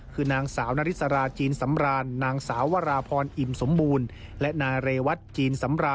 คือนางสาวนาริสราจีนสำรานนางสาววาราพรอิ่มสมบูรณ์